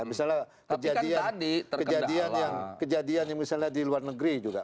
misalnya kejadian yang misalnya di luar negeri juga